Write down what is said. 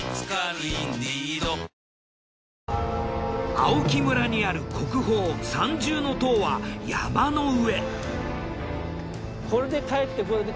青木村にある国宝三重塔は山の上。